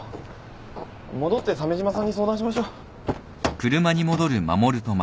戻って鮫島さんに相談しましょう。